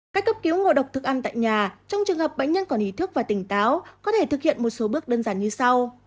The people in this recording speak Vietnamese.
các cấp cứu ngộ độc thực ăn tại nhà trong trường hợp bệnh nhân còn ý thức và tỉnh táo có thể thực hiện một số bước đơn giản như sau